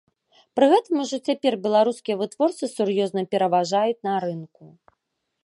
Пры гэтым ужо цяпер беларускія вытворцы сур'ёзна пераважаюць на рынку.